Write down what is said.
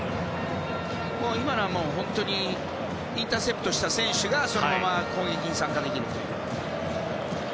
今のはインターセプトした選手がそのまま攻撃に参加できると。